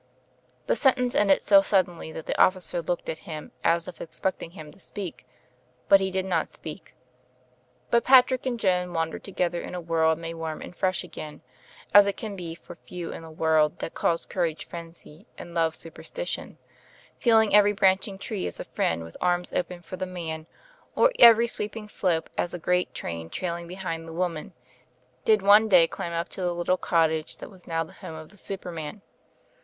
'' The sentence ended so suddenly that the officer looked at him, as if expecting him to speak. But he did not speak. But Patrick and Joan, wandering together in a world made warm and fresh again, as it can be for few in a world that calls courage frenzy and love supersti tion, feeling every branchmg tree as a friend with arms open for the man, or every sweeping slope as a great train trailing behind the woman, did one day climb up to the little white cottage that was now the home of the Superman.